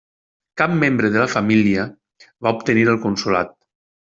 Cap membre de la família va obtenir el consolat.